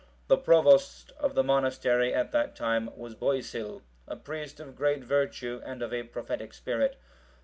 The provost of the monastery at that time was Boisil,(746) a priest of great virtue and of a prophetic spirit.